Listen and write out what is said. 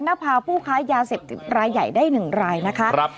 เชฟนภาพูคค้ายาเสบรายใหญ่ได้หนึ่งรายนะคะ